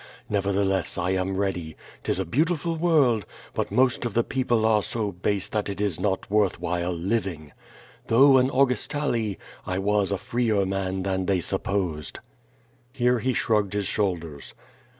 Nevertheless I am ready. ^Tis a beautiful world, but most of the people are so base that it is not worth while living. Though an Augustale, I was a freer man than they supposed." Here he shrugged his shoulders.